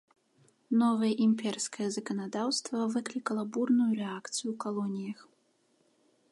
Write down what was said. Новае імперскае заканадаўства выклікала бурную рэакцыю ў калоніях.